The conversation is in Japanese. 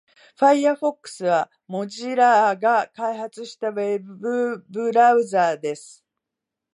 Firefox は Mozilla が開発したウェブブラウザーです。